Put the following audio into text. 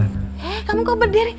he kamu kok berdiri